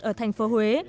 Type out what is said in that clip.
ở thành phố huế